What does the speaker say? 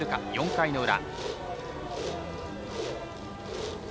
４回の裏。